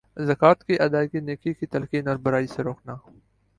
زکوۃ کی ادئیگی نیکی کی تلقین اور برائی سے روکنا